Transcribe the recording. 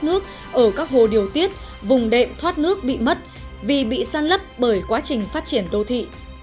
nước ở các hồ điều tiết vùng đệm thoát nước bị mất vì bị săn lấp bởi quá trình phát triển đô thị